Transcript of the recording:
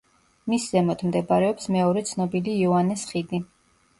მის ზემოთ მდებარეობს მეორე ცნობილი იოანეს ხიდი.